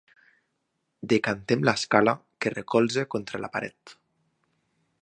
Decantem l'escala, que recolzi contra la paret.